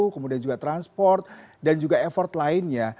kemudian juga transport dan juga effort lainnya